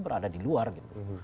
berada di luar gitu